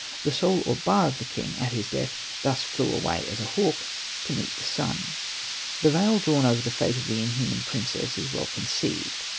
The soul or ba of the king at his death thus flew away as a hawk to meet the sun. The veil drawn over the fate of the inhuman princess is well conceived.